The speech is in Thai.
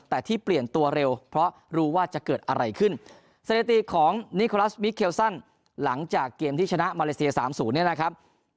แต่ที่เปลี่ยนตัวเร็วเพราะรู้ว่าจะเกิดอะไรขึ้นสถิติของนิโคลัสมิคเคลซันหลังจากเกมที่ชนะมาเลเซีย๓๐เนี่ยนะครับ